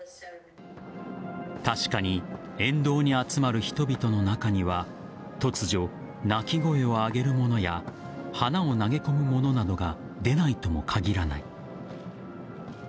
確かに沿道に集まる人々の中には突如、泣き声を上げる者や花を投げ込む者などが出ないとも限らない。